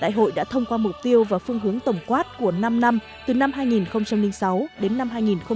đại hội đã thông qua mục tiêu và phương hướng tổng quát của năm năm từ năm hai nghìn sáu đến năm hai nghìn một mươi